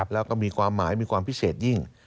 แล้วก็มีความหมายมีความพิเศษยิ่ง